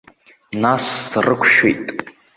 Нас срықәшәеит.